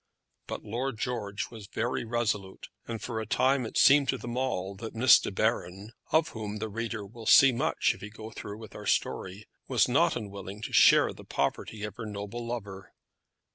But Lord George was very resolute, and for a time it seemed to them all that Miss de Baron, of whom the reader will see much if he go through with our story, was not unwilling to share the poverty of her noble lover.